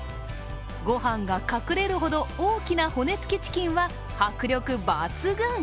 ご飯が隠れるほど大きな骨つきチキンは迫力抜群。